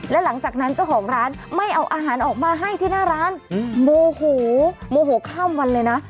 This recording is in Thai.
และหลังจากนั้นเจ้าของร้านไม่เอาอาหารออกมาให้ที่หน้าร้านโมโหโมโหข้ามวันเลยนะ